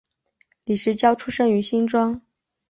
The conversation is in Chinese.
李石樵出生于新庄